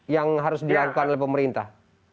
yang harus dilakukan oleh pemerintah